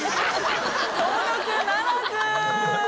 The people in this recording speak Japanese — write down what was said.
登録ならず。